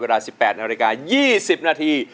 เวลา๑๘นาที๒๐นาที